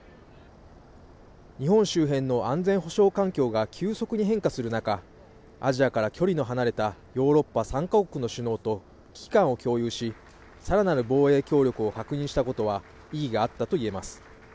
日本周辺の安全保障環境が急速に変化する中、アジアから距離の離れたヨーロッパ３か国の首脳と危機感を共有し更なる防衛協力を確認したことは意義があったといえます。